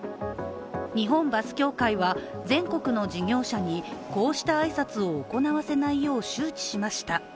日本バス協会は全国の事業者にこうした挨拶を行わせないよう周知しました。